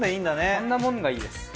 そんなもんがいいです。